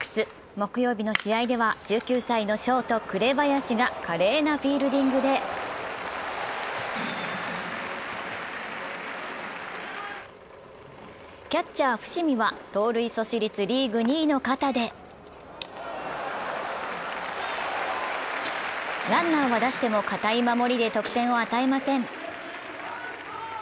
木曜日の試合では１９歳のショート・紅林が華麗なフィールディングでキャッチャー・伏見は盗塁阻止率リーグ２位の肩でランナーは出しても堅い守りで得点を与えません。